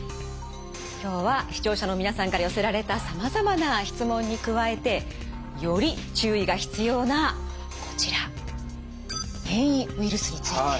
今日は視聴者の皆さんから寄せられたさまざまな質問に加えてより注意が必要なこちら変異ウイルスについて。